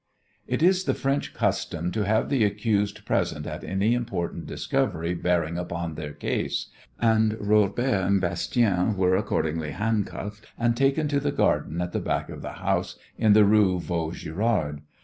It is the French custom to have the accused present at any important discovery bearing upon their case, and Robert and Bastien were, accordingly, handcuffed and taken to the garden at the back of the house in the Rue Vaugirard.